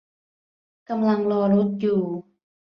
กำลังรอรถอยู่